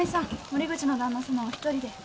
森口の旦那様お一人で。